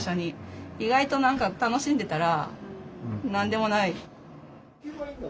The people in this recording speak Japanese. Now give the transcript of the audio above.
意外と何か楽しんでたら何でもない。